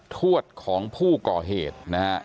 ทวดของผู้ก่อเหตุนะฮะ